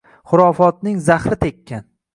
Xurofotning zahri tekkan